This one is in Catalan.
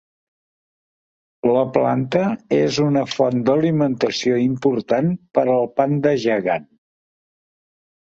La planta és una font d'alimentació important per al panda gegant.